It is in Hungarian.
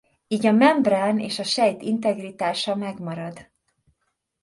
Így a membrán és a sejt integritása megmarad.